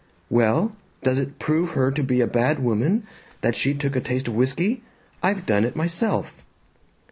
"Well, does it prove her to be a bad woman, that she took a taste of whisky? I've done it myself!"